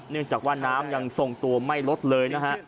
เนื่องจากว่าน้ำยังทรงตัวไม่ลดเลยนะฮะ